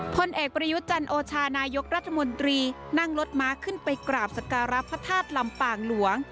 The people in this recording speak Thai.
พลเอกปริยุจรรย์โอชานายกรัฐมนตรีนั่งรถม้าขึ้นไปกราบศักราบพระทาสลำปางหลวง